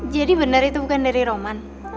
jadi bener itu bukan dari roman